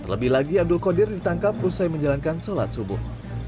lebih lagi abdul qadir ditangkap usai menjalankan sholat subuh